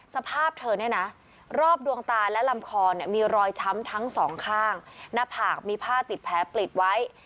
สภาพเธอเนี่ยนะรอบดวงตาและลำคอเนี่ยมีรอยช้ำทั้งสองข้างหน้าผากมีผ้าติดแผลปลิดไว้